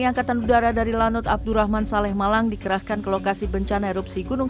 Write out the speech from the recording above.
angkatan udara dari lanut abdurrahman saleh malang dikerahkan ke lokasi bencana erupsi gunung